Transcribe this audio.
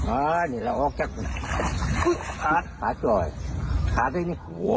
อ่านี่เราออกจากคาดคาดกล่อยคาดด้วยนี่